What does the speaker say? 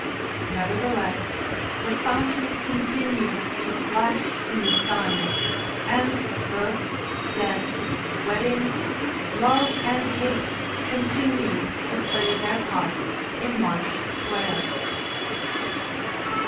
Nevertheless the fountain continued to flash in the sun, and births, deaths, weddings, love and hate continued to play their part in March Square.